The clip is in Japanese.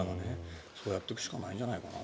そうやっていくしかないんじゃないかな。